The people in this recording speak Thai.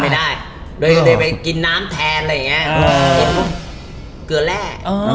อ๋อไม่ได้โดยก็เลยไปกินน้ำแทนอะไรอย่างเงี้ยอ๋อเกลือแร่อ๋อ